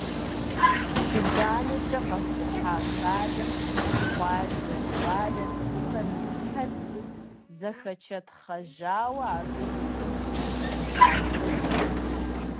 Чы банэкӏэ къэхухьа хадэм къуажэ щӏалэ цӏыкӏухэр ипщхьэрти, зэхэчэтхъэжауэ абы итым щыщ къадыгъурт.